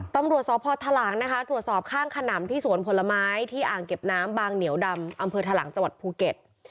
ตำรวจสพทหลังนะคะตรวจสอบข้างขนำที่สวนผลไม้ที่อ่างเก็บน้ำบางเหนียวดำอำเภอทะลังจังหวัดภูเก็ต